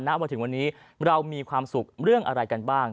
มาถึงวันนี้เรามีความสุขเรื่องอะไรกันบ้าง